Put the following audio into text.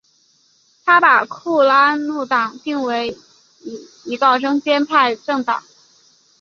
他把库拉努党定位为一个中间派政党。